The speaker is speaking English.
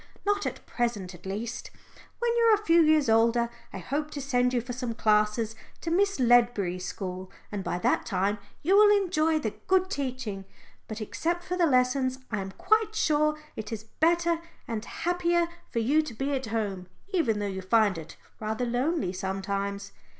"Not at present at least. When you are a few years older I hope to send you for some classes to Miss Ledbury's school, and by that time you will enjoy the good teaching. But except for the lessons, I am quite sure it is better and happier for you to be at home, even though you find it rather lonely sometimes."